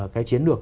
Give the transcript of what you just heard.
cái chiến lược